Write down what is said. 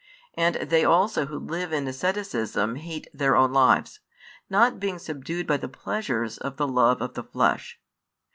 And they also who live in asceticism hate their own lives, not being subdued by the pleasures of the love of the flesh.